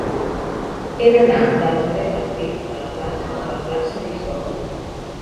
He d'anar del carrer del Riu de la Plata a la plaça d'Isop.